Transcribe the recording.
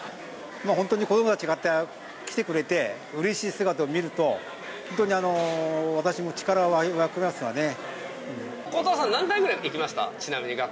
本当に子どもたちがああやって来てくれてうれしい姿を見ると本当に私も力が湧きますわね。